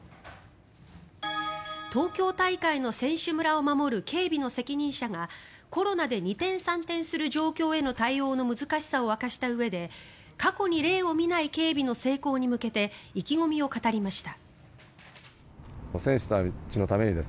東京大会の選手村を守る警備の責任者がコロナで二転三転する状況への対応の難しさを明かしたうえで過去に例を見ない警備の成功に向けて意気込みを語りました。